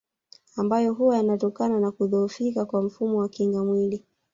Ambayo huwa yanatokana na kudhohofika kwa mfumo wa kinga mwilini